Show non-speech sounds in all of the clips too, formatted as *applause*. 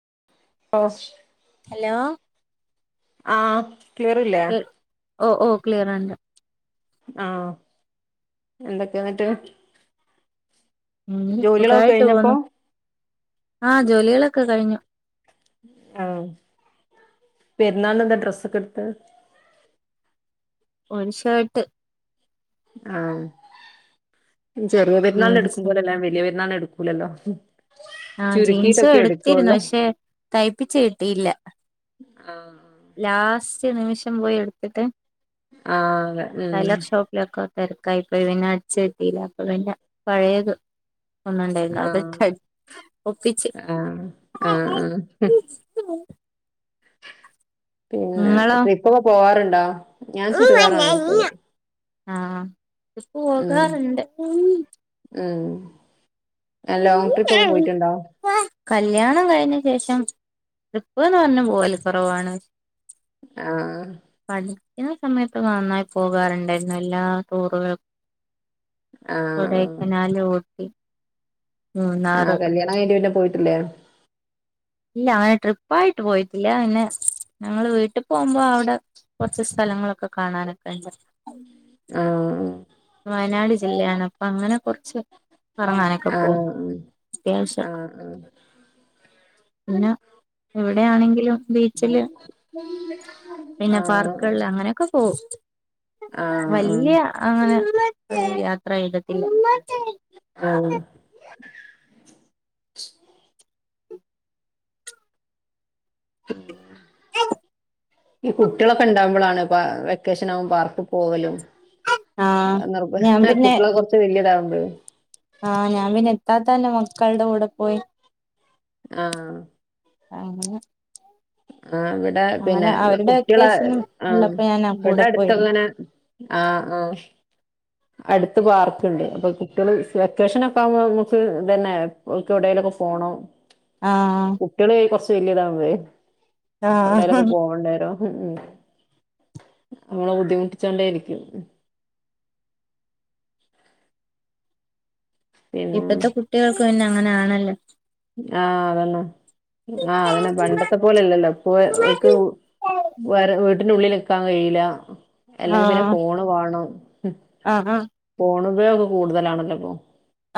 *unintelligible* Hello ആഹ് ക്ലിയറില്ലേ ഓ ഓ ക്ലിയറ്ണ്ട് ആ എന്തൊക്കെയാ എന്നിട്ട് ഉം ജോലികളൊക്കെ സുകായിട്ട് കഴിഞ്ഞപ്പോ പോന്നു ആ ജോലികളൊക്കെ കഴിഞ്ഞു ആ പെരുന്നാളിന് എന്താ ഡ്രെസ്സൊക്കെ എടുത്തത് ഓന് ഷർട്ട് ആ ഉം ചെറിയ പെരുന്നാളിന് എടുക്കും ജീൻസും പോലെ അല്ല ഞാൻ വലിയ പെരുന്നാളിന് *unintelligible* എടുക്കൂലല്ലോ ആ ജീൻസും ചുരുക്കിയിട്ടൊക്കെ എടുത്തിരുന്നു എടുക്കുള്ളൂ പക്ഷെ തയ്പ്പിച്ച് കിട്ടിയില്ല ആഹ് ലാസ്റ്റ് നിമിഷം പോയി എടുത്തിട്ട് ആ ഉം *unintelligible* പിന്ന *unintelligible* കിട്ടീല്ല അപ്പ പിന്ന പഴയത് ഒന്നൊണ്ടായിരുന്നു അത് ആഹ് *unintelligible* ഒപ്പിച്ച് ആഹ് ആഹ് ആഹ് പിന്ന നിങ്ങളോ ട്രിപ്പൊക്കെ പോവാറു *unintelligible* ഞാൻ ചുരിദാറാണ് ഇട്ടത് ആ ഇത് പോകാറുണ്ട് *unintelligible* ലോങ്ങ്‌ ട്രിപ്പൊക്കെ പോയിട്ടുണ്ടോ കല്യാണം കഴിഞ്ഞ ശേഷം ട്രിപ്പ്ന്ന് പറഞ്ഞ് പോവല് കുറവാണ് ആഹ് ഈ സമയത്ത് നന്നായി പോകാറുണ്ടായിരുന്നു എല്ലാ ടൂറുകൾ ആഹ് കൊടൈക്കനാല് ഊട്ടി ആഹ് മൂന്നാറ് കല്യാണം കഴിഞ്ഞിട്ട് പിന്നെ പോയിട്ടില്ലേ ഇല്ല അങ്ങനെ ട്രിപ്പ് ആയിട്ട് പോയിട്ടില്ല പിന്നെ ഞങ്ങള് വീട്ടിൽ പോകുമ്പോ അവിടെ കുറച്ച് സ്ഥലങ്ങളൊക്കെ കാണാനൊക്കെ ഉണ്ട് ആഹ് വയനാട് ജില്ലയാണ് അപ്പൊ അങ്ങനെ കുറച്ച് കറങ്ങാനൊക്കെ പോവും ആഹ് അത്യാവശ്യൊക്ക ആഹ് അങ്ങന ഇവിടെയാണെങ്കിലും ബീച്ചില് ആഹ് ആഹ് ആഹ് വലിയ അങ്ങനെ യാത്രയ്ത്തിട്ടില്ല ആഹ് ഈ കുട്ടികളൊക്കെ ഉണ്ടാവുമ്പളാണ് ഇപ്പാ വെക്കേഷൻ ആകുമ്പ പാർക്ക്‌ പോകലും ആഹ് നിർബ ഞാൻ പിന്നെ കുട്ടികളൊക്കെ കുറച്ച് വലിയതാവ *unintelligible* ആഹ് ഞാൻ പിന്നെ ഇത്താത്തന്റെ മക്കൾടെ കൂടെ പോയി ആഹ് ആങ്ങനെ ആ ഇവിടെ പിന്നെ വടെ കുട്ട്യാളെ വെക്കേഷനും ആഹ് ഉള്ളപ്പോ ഞാനാ വടെ കൂടെ പോയിരുന്നു അട്ത്തൊക്കെങ്ങനെ ആ ആഹ് അട്ത്ത പാർക്ക്ണ്ട് അപ്പൊ കുട്ട്യാള് വെക്കേഷൻ ഒക്കെ ആവുമ്പോ നമുക്ക് തന്നെ ഓല്ക്കെവിടേലൊക്കെ പോണം ആഹ് കുട്ട്യൾ കൊറച്ച് വല്ല്യതാവേ എവിടെലൊക്കെ ആഹ് പോവണ്ടേ രോ ഉം ഉം അങ്ങനെ ബുദ്ധിമുട്ടിച്ചോണ്ടേയിരിക്കും പിന്നെ ഇപ്പത്തെ കുട്ടികൾക്ക് പിന്നങ്ങന നല്ല ആഹ് അതന്നെ ആഹ് അതെന്നെ പണ്ടത്തെ പോലെല്ലല്ലോ പോ ഓല്ക്ക് വ നുള്ളിൽ നിക്കാൻ കഴിയില്ല അല്ലെങ്കി പിന്നെ ആഹ് ഫോണ് വാണം ആഹ് ആഹ് ഫോണും ഉപയോഗ കൂടുതലാണല്ലോ പ്പോ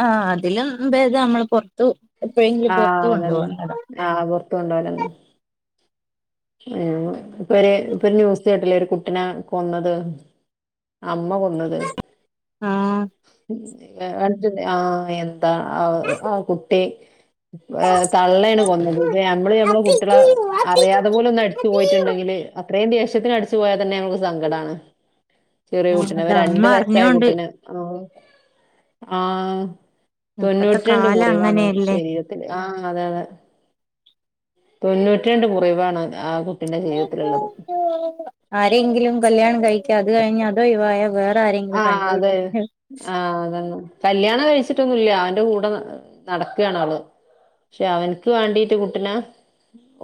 ആ അതിലും ഭേദം നമ്മള് പൊർ ത്തു എപ്പോഴെങ്കിലും പൊറത്തു കൊണ്ടോവ *unintelligible* കൊണ്ടാരുന്ന് ഹേ ഇപ്പേ ഇപ്പൊരു ന്യൂസ്‌ കേട്ടില്ലൊരു കുട്ടിനെ കൊന്നത് അമ്മ കൊന്നത് ആഹ് *inaudible* രണ്ട് ആ എന്താ ആ ആ കുട്ടി ആഹ് തള്ളയാണ് കൊന്നത് ഇപ്പ ഞമ്മള് നമ്മള് കുട്ടികളെ അറിയാ അതുപോലെ ഒന്ന് അടിച്ചു പോയിട്ടുണ്ടെങ്കിൽ ഇത്രേ ദേഷ്യത്തിന് അടി ച്ചു പോയാൽ തന്നെ ഞങ്ങക്ക് സങ്കടാണ്. ചെറിയ കുട്ടിനെ അത് അമ്മ രണ്ടു വയസ്സായ അറിഞ്ഞോണ്ട് കുട്ടിനെ ആ ആ ഇപ്പത്തെ തൊണ്ണൂറ്റി രണ്ട് കാലം മുറിവാണ് അങ്ങനെയല്ലേ ശരീരത്തിൽ ആ അതെ അതെ തൊണ്ണൂ രണ്ട്പോ ഒയ്‌വാണ് ആരെങ്കിലും കല്യാണം കഴിക്ക അത് കഴിഞ്ഞ അതു ഒഴിവായ വേർ ആ അതെ ആ അതേ കല്യാണം കഴിച്ചിട്ടൊന്നുല്ല്യാ അവന്റെ കൂടെ നടക്കാണ് അവള് പക്ഷെ അവന്ക്ക്‌ വേണ്ടീട്ട് കുട്ടിന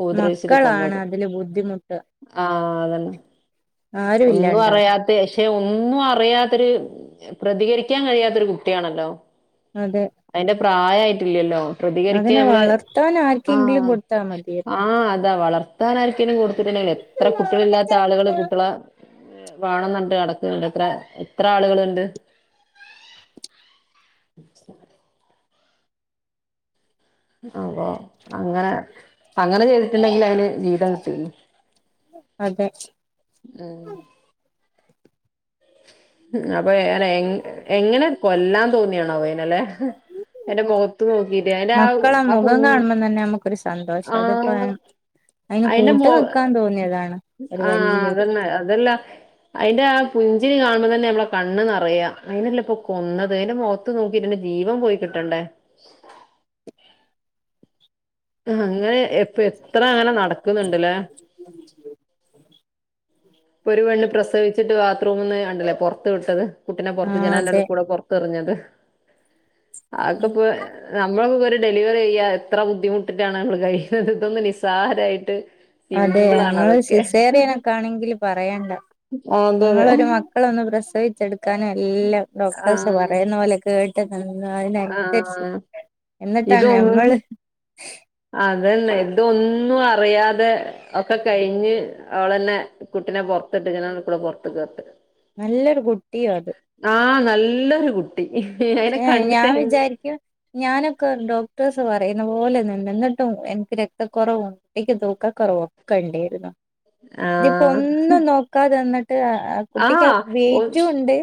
ഉപദ്രവിചിട്ട് മക്കളാണ് കൊന്നത് അതില് ബുദ്ധിമുട്ട് ആ അതന്നെ ആരും ഒന്നും ഇല്ലാണ്ടാവും അറിയാത്തെ യെ ഒന്നും അ റിയാത്തൊരു പ്രതികരിക്കാൻ കഴിയാത്തൊരു കുട്ടിയാണല്ലോ അതെ പ്രായആയിട്ടില്ലല്ലോ പ്രതികരിക്കാ അതിനെ നമ്മള് വളർത്താൻ ആ ആർക്കെങ്കിലും കൊടുത്താ മതിയായിരുന്നു ആ അതാ വളർത്താനാർക്കെങ്കിലും കൊടുത്തിട്ടുണ്ടെങ്കി എത്ര കുട്ടികള ഇില്ലാത്ത ആളുകൾ കുട്ടികള വേണെന്ന് പറഞ്ഞിട്ട് അടക്കുന്നുണ്ടത്രെ എത്ര ആളുകളുണ്ട് അപ്പൊ അങ്ങനെ അങ്ങനെ ചെയ്തിട്ടുണ്ടെങ്കിൽ അതിന് ജീവിതം കിട്ടീന് അതെ മ് മ് അട് അപ്പൊ എങ്ങനെ എങ്ങനെ കൊല്ലാം തോന്നിയാണാവെ ല്ലല്ലേ അയിന്റെ മുഖത്ത് നോക്കിട്ട് അയിന്റെ ആ മക്കളെ മുഖം പുഞ്ച,, കാണുമ്പോ തന്നെ നമുക്കൊരു സന്തോഷം ആ അതിപ്പോ അതിന് അയിന്റെ കൂട്ട് മോ നിക്കാൻ തോന്നിയതാണ് ഒരു ആ വലിയൊരു അതന്നെ അതല്ല അയിന്റെ ആ പുഞ് പുഞ്ചിരി കാണുമ്പോ തന്നെ നമ്മളെ കണ്ണ്നിറയാ അയിനല്ല ഇപ്പൊ കൊന്നത് അതിന്റെ മുഖത്ത് നോക്കിട്ട് അയിന്റെ ജീവൻ പോയി കിട്ടണ്ടേ അങ്ങനെ എപ്പ എത്ര അങ്ങനെ നട തക്കുന്നുണ്ടല്ലേ ഇപ്പൊ ഒരു പെണ്ണ് പ്രസവിച്ചിട്ട് ബാത്റൂമന്ന് കണ്ടല്ലേ പൊറത്ത് വിട്ടത് കുട്ടിനെ ആ പൊറത്ത് ജനാലന്റെ അതെ ഉളെള കൂടെ പൊറത്തെറിഞ്ഞത് ദ് അഹ്ക്കെ ഇപ്പോ നമ്മളൊപൊറി ഡെലിവറി ചെയ്യാ എത്ര ബുദ്ധിമുട്ടിട്ടാണ് നമ്മൾ കഴിയുന്നത് ഇതൊന്ന് നിസ്സാരമായിട്ട് അതെ മ്മള് സിസേറിയനൊക്കെ ആണെങ്കിൽ പറ പറയണ്ട അതെ അതെ നമ്മളൊരു മക്കളെ ഒന്ന് പ്രസവിച്ചെടുക്കാന് ഇല്ല ഡോക്ടേഴ്സ് ആഹ് പറയുന്ന പോലെ കേട്ട് ന അതിനനുസരിച്ച് ആഹ് എന്നിട്ടാണ് ഇതൊന്നും ഞമ്മള് അതന്നെ ഇതൊന്നും അറിയാതെ ഒക്കെ കഴിഞ്ഞ് അവള് തന്നെ കുട്ടിനെ പൊറത്തിട്ട് ഇങ്ങന ജനാലയുടെ ഉള്ളിൽ കൂടെ പൊറത്തെകിട്ട് നല്ലൊരു കുട്ടിയു അത് നല്ലൊരു കുട്ടി അയിനെ കണ്ടിട് ഞാൻ വിചാരിക്കും ഞാനൊക്കെ ഡോക്ടേഴ് പറ പറയുന്ന പോലെ നിന്നിട്ടും എനിക്ക് രക്ത കുറവും കുട്ടിക്ക് തൂക്കാ കുറവും ഒക്കെ ഉണ്ടായിരുന്നു ഇതിപ്പോൊ ആഹ് ഒന്നും നോക്കാതെ നിന്നിട കുട്ടിക്ക് വെയിറ്റും ഉണ്ട്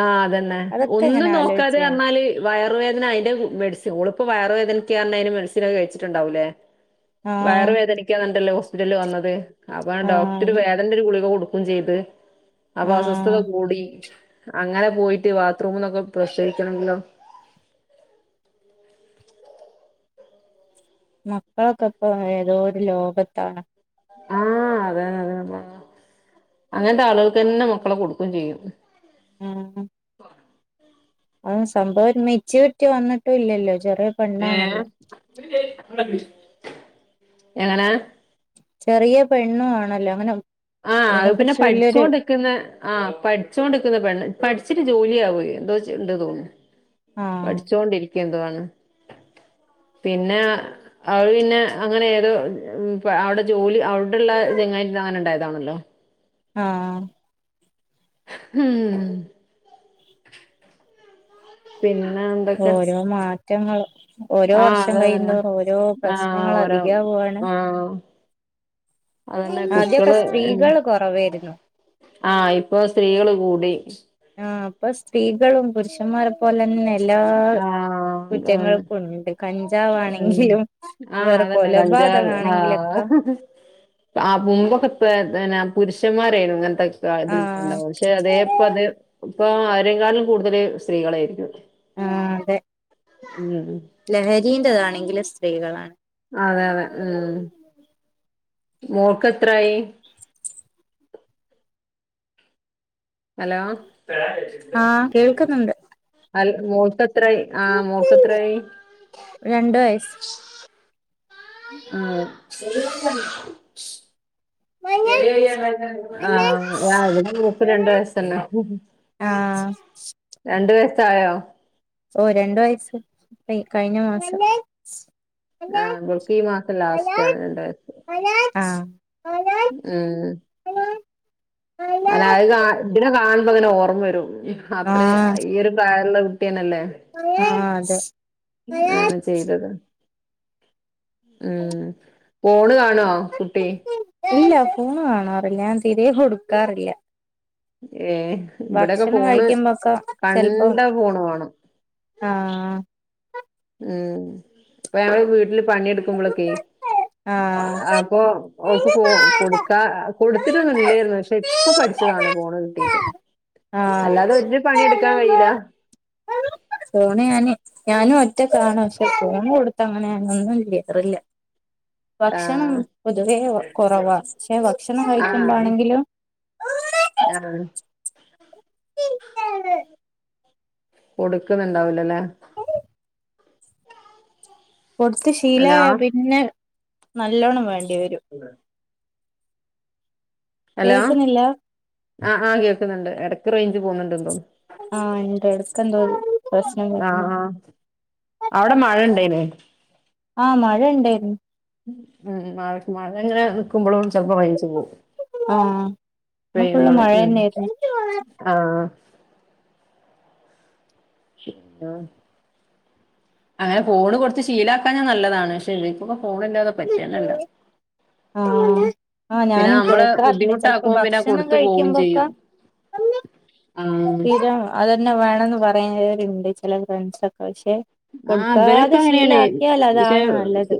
ആഹ് അതന്നെ അതൊക്കെ ഒന്നും ഇങ്ങനെ നോക്കാതെ ആലോചിച്ച് ഞാൻ ർനല് വയറും വയർവേദന അതിന്റെ മെഡസിൻ ഓളിപ്പോ വയറ് വേദനക്ക പറഞ്ഞ് അതിൻ്റെ മെഡസിൻ ഒക്കെ കഴിച്ചിട്ടുണ്ടാവില്ലേ വയറ് ആഹ് വേദനിക്കന്നണ്ടല്ലോ സ്പിറ്റലിൽ വന്നത് അപ്പൊ ഡോക്ടർ ആഹ് വേദനൻ്റെ ഒരു ഗുളിക കൊടുക് ചെയ്ത് അപ്പൊ അസ്വസ്ഥത ആഹ് കൂടി അങ്ങനെ പോയിട്ട് ബാത്ത്റൂമ്ന്നൊക്കെ പ്രസവിക്കണമെങ്കിലോ മക്കളൊക്കെ ഇപ്പ ഏതോ ഒരു ലോകത്താണ് ആഹ് അതെ അതള്ളാ അങ്ങനത്തെ ആളുകൾക്കെന്നെ മക്കളെ കൊടുക്കും ചെയ്യും മ് ഉം സംഭവം ഒരു മെച്ചുരിറ്റി വന്നിട്ടും ഇല്ലല്ലോ ചെറിയ ഏഹ് പെണ്ണാണല്ലോ എങ്ങനെ ചെറിയ പെണ്ണു ആണല്ലോ അങ്ങനെ ആഹ് അത് ഇതിനെ പിന്നെ കുറിച്ച് വല്യൊരു പഠിച്ചോണ്ട്ക്ക് ന്നെ ആഹ് പഠിച്ചോണ്ട്ക്ക്ന്നെ പെണ്ണ് പഠിച്ചിട്ട് ജോലി ആവേ എന്തോ ചെയ്യ്ണ്ട് തോന്ന്ണു ആഹ് പഠിച്ചൊണ്ടിരിക്യ എന്തോ ആണ് പിന്നെ അവ് പിന്നെ അങ്ങനെ ഏതോ പ അവടെ ജോലി അവിടള്ള ചങ്ങായി *unintelligible* അങ്ങനെണ്ടായ താണല്ലോ ആഹ് ഹ് മ് പിൻ ഓരോ മാ റ്റങ്ങള് ഓരോ ആഹ് വർഷം അതെ തന്നെ കഴിയുന്തോറും ഓരോ ആഹ് പ്രശ്നങ്ങൾ ഓരോ അധികാവാണ് ആഹ് അതന്നെ ആദ്യൊക്കെ കുട്ടികള് സ്ത്രീകള് കൊറവേരുന്നു ആഹ് ഇപ്പൊ സ് സ്ത്രീകള് കൂടി ആ ഇപ്പൊ സ്ത്രീകളും പുരുഷന്മാരെ പോലെന്നെ എല്ലാ ആഹ് കുറ്റങ്ങൾക്കും ഉണ്ട് കഞ്ചാവാണെങ്കിലും വേറെ അതന്നെ കഞ്ചാവ് ആഹ് കൊലപാതകാണെങ്കിലൊക്കെ ആ മുമ്പൊക്കെ *unintelligible* പുരുഷന്മാരേന്നു ഇങ്ങനത്തെ ആഹ് പക്ഷെ അതേപ്പ അത് ഇപ്പൊ ആരെക്കാട്ടിലും കൂടുതല് സ്ത്രീകളേര്ക്കും ആഹ് അതെ മ് ഈൻ്റെതാണെങ്കിലും സ്ത്രീകളാണ് അതെ അതെ മ് മോൾക്ക് എത്രായി ഹലോ ആഹ് കേൾക്കുന്നുണ്ട് അൽ മോൾക്ക് എ എത്രായി ആഹ് മോക്ക് എത്രായി രണ്ട് വയസ്സ് ആഹ് ആഹ് ആ ഇൻ്റെ മോൾക്ക് രണ്ട് വയസ്സെന്നെ ആഹ് രണ്ട് വയ സ്സായോ ഓഹ് രണ്ട് വയസ് ഇപ്പയി കഴിഞ്ഞ മാസം ആഹ് ഇവൾക്ക് ഈ മാസം ആഹ് ലാസ്റ്റ് ആണ് രണ്ട് വയസ് ആഹ് ആഹ് അതെ മ്മ് അല്ല അത് ക ഇതിനെ കാണുമ്പോ ഇങ്ങനെ ഓർമ്മ വരും അത്രേ ഈയൊരു പ്രായൊള്ള കു ആ *unintelligible* ആ ചെയ്തത് ആ പോണ് കാണൊ കുട്ടി ഇല്ല ഫോണ് കാണാറില്ല ഞാൻ തീരെ കൊട്‌ക്കാറില്ല ഏ ഇവിടെക്ക ഫോണ് കഴിക്കുമ്പോക്കെ ചെലപ്പോ കണ്ട ഫോണ് വാണം ആഹ് ഉം വേറെ വീട്ടില് പണിയെടുക്കുമ്പോളൊക്കെയെ ആഹ് ആപ്പോ ഓൾക്ക് ഫോ കൊടുക്കാ കൊടുത്തിട്ട് ഒന്നുമില്ലാരുന്നു പക്ഷെ ഇപ്പം പഠിച്ചതാണ് ഫോണ് കിട്ടിയിട്ട് ആഹ് അല്ലാതെ ഒരു പണി എടുക്കാൻ കഴിയില്ല ഓന് ഞാന് ഞാന് ഒ റ്റെക്കാണ് പക്ഷെ ഫോണ് കൊട് ഇവിടെ അങ്ങനെ ഒന്നും ഇല്ലാത്തത് ഇല്ല ഭക്ഷണം ആഹ് പൊതുവെ ഓഹ് കൊറവാ പക്ഷെ ഭക്ഷണം കഴിക്കുമ്പോ ആഹ് ആണെങ്കിലും ആഹ് കൊടുക്കുന്നുയുണ്ടാവില്ല അല്ലെ? കൊടുത്ത് ശീലായായ പിന്നെ നല്ലോണ്ണം വേണ ഏവാരു ഹലോ കേൾക്കുന്നില്ല ആ ആ കേൾ ക്കാനുണ്ട് എടക്ക് റേഞ്ച് പോവുന്നുണ്ടന്നു തോന്നുന്നു ആഹ് ഇണ്ട് എടക്കെന്തോ പ്രശ്നം ആ വരുന്നു ആ അവിടെ മഴ ഇണ്ടേയായിന് ആ മഴ ഇണ്ടായിരുന്നു ഉം ഉം മഴ മഴ ഇങ്ങനെ നിക്കുമ്പോളും ചിലപ്പോൾ *unintelligible* പോവും ആഹ് ഇന്ന് ഫുള്ള് പെയുമ്പഴേ ഉം മഴന്നെയായിരുന്നു ആ ആ ആഹ് അങ്ങനെ ഫോണ് കൊട്ത്ത് ശീലാക്കാഞ്ഞ നല്ലതാണ് ക്ഷെ ല്ലെ പ്പ ഫോണ് ല്ലാതെ പറ്റേന്നെല്ല അ ആആ ഞാനും കേക്കാറ്ണ്ട് ചെലപ്പം ബുദ്ധിമുട്ടാക്കുമ്പോ പിന്നെ ഭക്ഷണം കൊടുത്തു പോവും കഴിക്കുമ്പോക്ക ചെയ്യും ആഹ് സ്ഥിരം അതെന്നെ വേണന്ന് പറ *unintelligible* ചെല ഫ്രണ്ട്സ് ഒക്കെ വെച്ച് ആ ബലൊക്കെ അങ്ങനെയാണ് ക്ഷേ അതാണ് നല്ലത്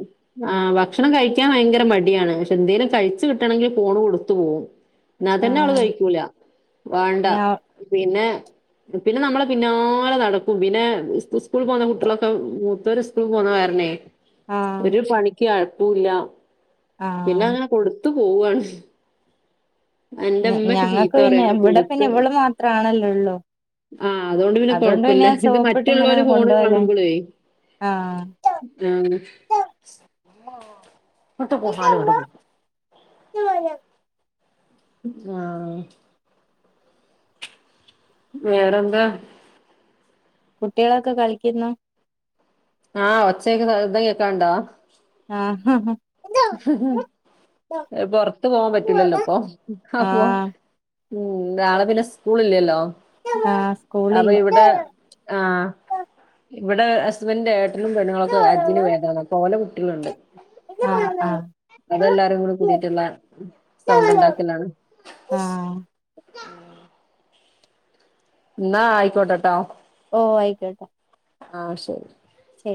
ആ ഭക്ഷണം കഴിക്കാൻ വയങ്കര മടിയാണ് എന്തെലും കഴിച്ച് കിട്ടണെങ്കിൽ ഫോണ് കൊടുത്തു പോവും ന്നാ തന്നെ അവള് ആഹ് കഴിക്കൂല വാണ്ട ഞാ പിന്നെ പിന്നെ നമ്മള് പിന്നാലെ നടക്കും പിന്നെ സ്കൂള് പോന്ന കു ട്ട്യളൊക്കെ മൂത്തോര് സ്കൂൾ പോന്ന കാരണെ ആഹ് ഒരു പണിക്ക് അയ ക്കൂല്ല ആഹ് പിന്നങ്ങനെ കൊട് ത്ത് പോവാണ് എന്റെ ഉമ്മയൊക്കെ ഞങ്ങൾക്ക് ചീത്ത പിന്നെ പറയാണ് ഇവിടെ പിന്നെ കൊടുത്ത് ഇവൾ മാത്രണല്ലോള്ളൂ അതുകൊണ്ട് പിന്നെഞാൻ സോപ്പിട്ട് ഇങ്ങനെ കൊണ്ട കാണുമ്പോളേ ആ *unintelligible* ആ വേറെന്താ കുട്ടികളൊക്കെ കളിക്കുന്നു ആ ഒച്ചയ്ക്ക് ശബ്ദം കേക്കാണ്ടോ ആ ആ ഹ പൊറത്ത് പോവാൻ പറ്റില്ലല്ലോപ്പൊ ആ പോ നാളെ പിന്നെ സ്കൂൾ ഇല്ലല്ലോ ആഹ് അപ്പൊ സ്കൂളില്ല ഇവിടെ ആ ഇവിടെ ഹസ്ബന്ഡറിന്റെ ഏട്ടനും പെണ്ണുകളെക്കെ ആഹ് ഹജ്ജിന് പോയതാണ് അപ്പൊ ഓലെ കുട്ടികളുണ്ട് ആഹ് ആഹ് അവരെല്ലാരും കൂടിട്ടുള്ള സൗണ്ട് ഉണ്ടാക്കലാണ് എന്നാ ആയിക്കോട്ടെട്ടോ ഓ ആയിക്കോട്ടെ ആ ശരി ശരി